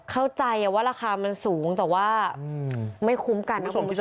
เข้าใจว่าราคามันสูงแต่ว่าไม่คุ้มกันนะคุณผู้ชม